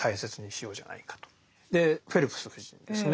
でフェルプス夫人ですね